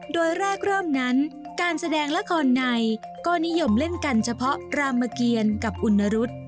โดยแรกเริ่มนั้นการแสดงละครในก็นิยมเล่นกันเฉพาะรามเกียรกับอุณรุษ